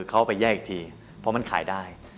เขาไปแยกอีกทีเพราะมันขายได้